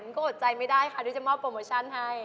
ก็อดใจไม่ได้ค่ะที่จะมอบโปรโมชั่นให้